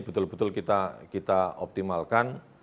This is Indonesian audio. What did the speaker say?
betul betul kita optimalkan